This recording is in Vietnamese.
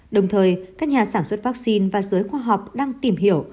đồng thời các nhà sản xuất vắc xin và giới khoa học đang tìm hiểu